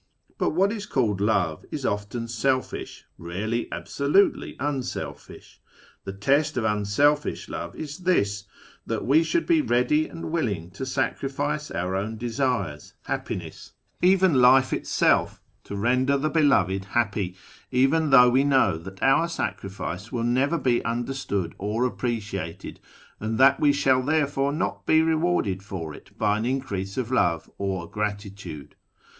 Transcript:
But what is called love is often selfish ; rarely absolutely I unselfish. The test of unselfish love is this, that we should be ready and willing to sacrifice our own desires, happiness, \ even life itself, to render the beloved happy, even though we ' know that our sacrifice will never be understood or appre ciated, and that we shall therefore not be rewarded for it Ijy an increase of love or gratitude.